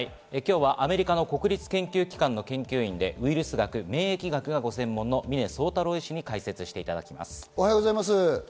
アメリカの国立研究機関の研究員でウイルス学、免疫学がご専門の峰宗太郎医師に解説していただきます。